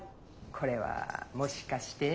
これはもしかして。